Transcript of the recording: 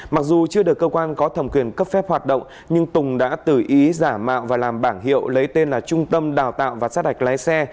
mặc dù chưa được cơ quan có thẩm quyền cấp phép hoạt động nhưng tùng đã tự ý giả mạo và làm bảng hiệu lấy tên là trung tâm đào tạo và sát hạch lái xe